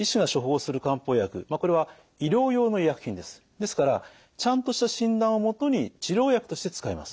ですからちゃんとした診断をもとに治療薬として使います。